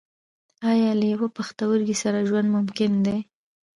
ایا له یوه پښتورګي سره ژوند ممکن دی